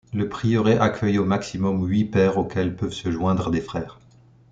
Le prieuré accueille au maximum huit pères auxquels peuvent se joindre des frères.